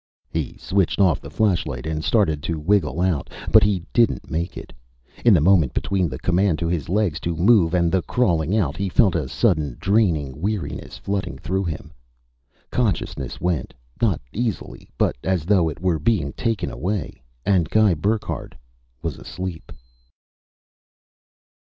He switched off the flashlight and started to wriggle out. But he didn't make it. In the moment between the command to his legs to move and the crawling out, he felt a sudden draining weariness flooding through him. Consciousness went not easily, but as though it were being taken away, and Guy Burckhardt was asleep.